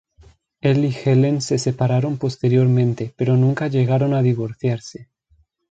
Él y Helen se separaron posteriormente, pero nunca llegaron a divorciarse.